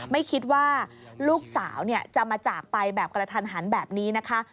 ไม่คิดว่าลูกสาวจะมาจากไปแบบกระทันหันแบบนี้นะคะ